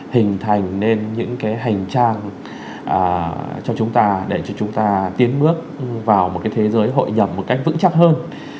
hình thành nên những cái hành trang cho chúng ta để cho chúng ta tiến bước vào một cái thế giới hội nhập một cách vững chắc hơn